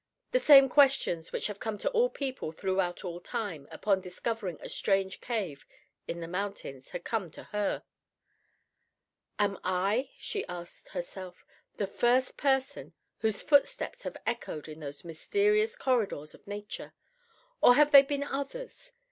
The same questions which have come to all people throughout all time upon discovering a strange cave in the mountains, had come to her. "Am I," she asked herself, "the first person whose footsteps have echoed in those mysterious corridors of nature, or have there been others?